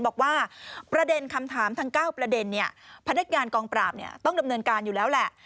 บอกว่าประเด็นคำถามทั้ง๙ประเด็นพนักงานกองปราบต้องดำเนินการอยู่แล้วแหละ